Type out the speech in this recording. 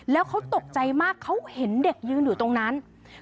แล้วเขาตกใจมากเขาเห็นเด็กยืนอยู่ตรงนั้น